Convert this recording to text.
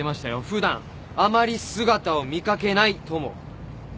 普段あまり姿を見掛けないとも。